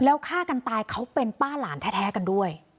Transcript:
แล้วฆ่ากันตายเขาเป็นป้าหลานแท้กันด้วย